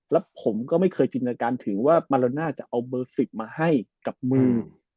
แล้วผมก็ไม่เคยจินตนาการถึงว่ามาโลน่าจะเอาเบอร์๑๐มาให้กับมือ